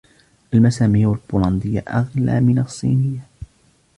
المسامير البولندية أغلى من الصينية.